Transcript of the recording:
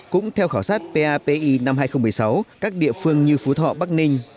cũng theo khảo sát papi năm hai nghìn một mươi sáu các địa phương như phú thọ bắc ninh